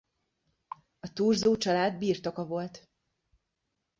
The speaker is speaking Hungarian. A Thurzó család birtoka volt.